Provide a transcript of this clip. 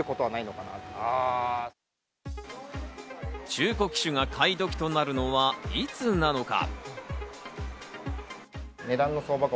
中古機種が買い時となるのはいつなのか？